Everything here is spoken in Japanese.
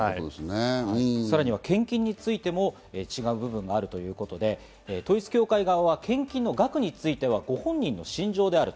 さらには献金についても違う部分があるということで、統一教会側は、献金の額についてはご本人の信条である。